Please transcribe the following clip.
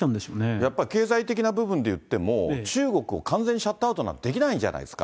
やっぱり経済的な部分でいっても、中国を完全にシャットアウトなんてのはできないじゃないですか。